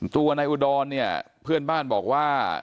ตัวนายอุดรเนี่ยเพื่อนบ้านบอกว่า